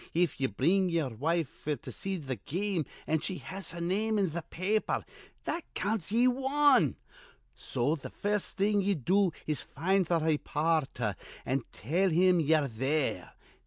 If ye bring ye'er wife f'r to see th' game, an' she has her name in th' paper, that counts ye wan. So th' first thing ye do is to find th' raypoorter, an' tell him ye're there.